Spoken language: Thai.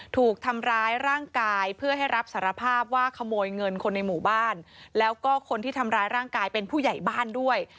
ถูกทำร้ายร่างกายเพื่อให้รับสารภาพว่าขโมยเงินคนในหมู่บ้านแล้วก็คนที่ทำร้ายร่างกายเป็นผู้ใหญ่บ้านด้วย